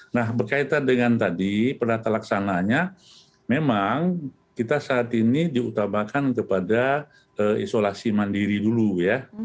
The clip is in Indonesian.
nah berkaitan dengan tadi penata laksananya memang kita saat ini diutamakan kepada isolasi mandiri dulu ya